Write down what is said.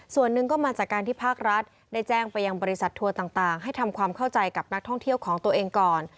ส่วนหนึ่งก็มาจากการที่ภาครัฐได้แจ้งไปยังบริษัททัวร์ต่างให้ทำความเข้าใจกับนักท่องเที่ยวของตัวเองก่อน